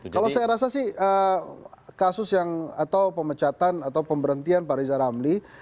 kalau saya rasa sih kasus yang atau pemecatan atau pemberhentian pak riza ramli